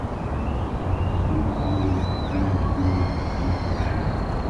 Imezungukwa au imepakana na jumla ya mataifa nane